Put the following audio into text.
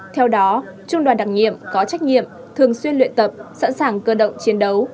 theo đó trung đoàn đặc nhiệm có trách nhiệm thường xuyên luyện tập sẵn sàng cơ động chiến đấu